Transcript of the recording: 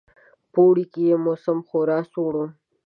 په اوړي کې یې موسم خورا سوړ وو.